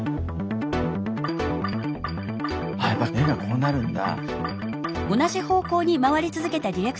あやっぱ目がこうなるんだ。